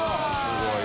すごい！